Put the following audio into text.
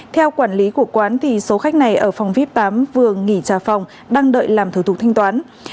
theo quản lý của quán số khách này ở phòng vip tám vừa nghỉ trà phòng đang đợi làm thủ tục thanh toán